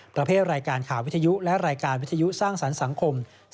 รายการข่าววิทยุและรายการวิทยุสร้างสรรค์สังคม